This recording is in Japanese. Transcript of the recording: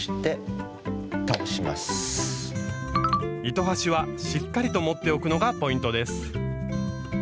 糸端はしっかりと持っておくのがポイントです。